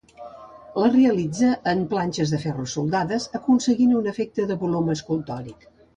La realitza en planxes de ferro soldades, aconseguint un efecte de volum escultòric.